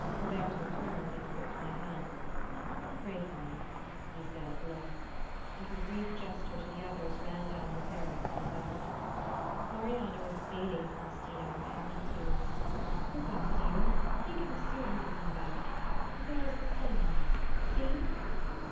Roberto turned and gripped my hand. "Pray for me," he said low; and with a brief gesture to the others ran down the terrace to the boat. Marianna was bathing Faustina with happy tears. "Look up, dear! Think how soon he will come back! And there is the sunrise see!"